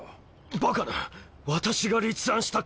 バカな私が立案した計画。